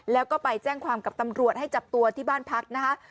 แล้วก็ไปแจ้งความกับตำรวจให้จับตัวที่บ้านพักนะคะ